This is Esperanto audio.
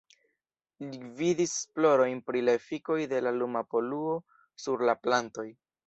Li gvidis esplorojn pri la efikoj de la luma poluo sur la plantoj.